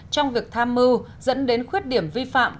trong việc tham mưu dẫn đến khuyết điểm vi phạm